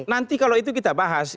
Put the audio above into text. nanti kalau itu kita bahas